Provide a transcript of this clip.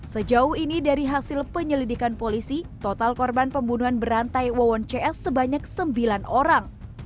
sejauh ini dari hasil penyelidikan polisi total korban pembunuhan berantai wawon cs sebanyak sembilan orang